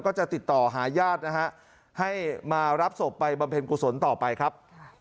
ก็จะติดต่อหาญาตินะฮะให้มารับศพไปบำเพ็ญกุศลต่อไปครับ